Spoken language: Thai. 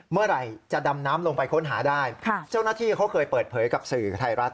เมื่อไหร่จะดำน้ำลงไปค้นหาได้เจ้าหน้าที่เขาเคยเปิดเผยกับสื่อไทยรัฐ